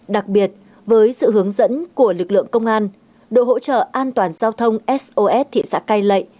đặc biệt với sự hướng dẫn của lực lượng công an đội hỗ trợ an toàn giao thông sos thị xã cai lệ